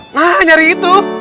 nah nyari itu